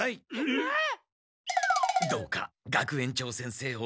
えっ？